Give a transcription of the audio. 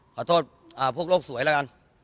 ขอโทษพวกโลกสวยแล้วกัน